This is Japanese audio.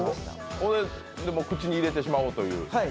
それで口に入れてしまおうという？